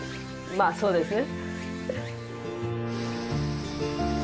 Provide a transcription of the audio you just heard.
まあそうですね。